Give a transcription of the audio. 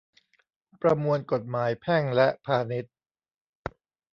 ประมวลกฎหมายแพ่งและพาณิชย์